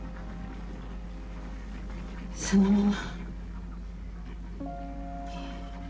そのまま。